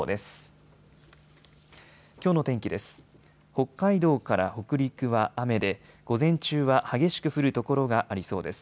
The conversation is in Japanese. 北海道から北陸は雨で午前中は激しく降る所がありそうです。